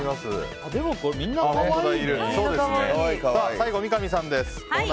最後は三上さんです。